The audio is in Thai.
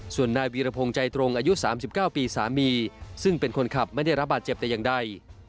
ส่วนนายวีรพงศ์ใจตรงอายุ๓๙ปีสามีซึ่งเป็นคนขับไม่ได้รับบาดเจ็บแต่อย่างใด